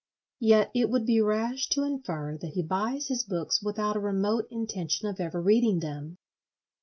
Yet it would be rash to infer that he buys his books without a remote intention of ever reading them.